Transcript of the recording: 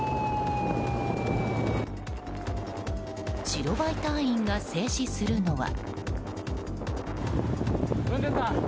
白バイ隊員が制止するのは。